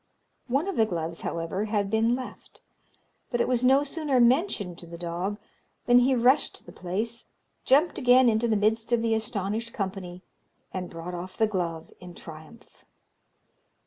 One of the gloves, however, had been left; but it was no sooner mentioned to the dog than he rushed to the place, jumped again into the midst of the astonished company, and brought off the glove in triumph.